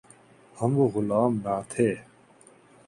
ہم غلام نہ تھے۔